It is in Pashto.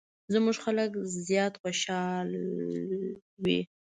زموږ خلک زیات خوشحال وي.